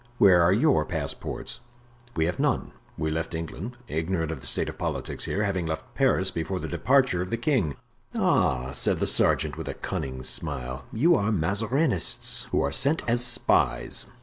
Where are your passports?" "We have none; we left England, ignorant of the state of politics here, having left Paris before the departure of the king." "Ah!" said the sergeant, with a cunning smile, "you are Mazarinists, who are sent as spies."